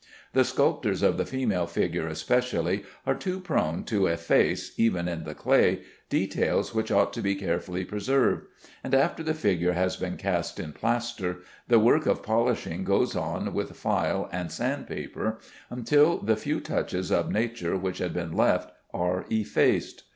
The sculptors of the female figure especially, are too prone to efface (even in the clay) details which ought to be carefully preserved; and after the figure has been cast in plaster, the work of polishing goes on with file and sand paper, until the few touches of nature which had been left are effaced.